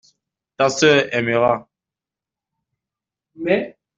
Ta sœur aimera.